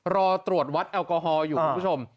รอตรวจวัดแอลกอฮอล์อยู่คุณผู้ชม